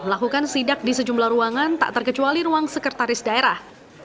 melakukan sidak di sejumlah ruangan tak terkecuali ruang sekretaris daerah